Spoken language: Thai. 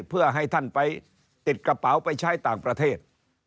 เพื่อให้ท่านไปติดกระเป๋าไปใช้ต่างประเทศ